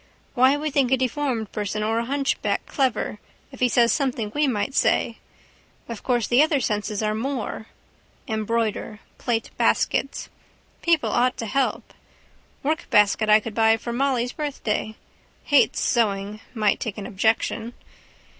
Why we think a deformed person or a hunchback clever if he says something we might say. Of course the other senses are more. Embroider. Plait baskets. People ought to help. Workbasket I could buy for Molly's birthday. Hates sewing. Might take an objection.